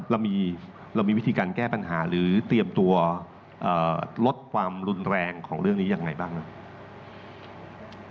เรามีวิธีการแก้ปัญหาหรือเตรียมตัวลดความรุนแรงของเรื่องนี้ยังไงบ้างครับ